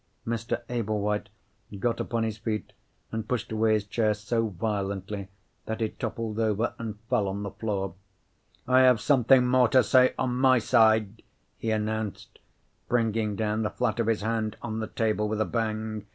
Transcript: Mr. Ablewhite got upon his feet, and pushed away his chair so violently that it toppled over and fell on the floor. "I have something more to say on my side," he announced, bringing down the flat of his hand on the table with a bang.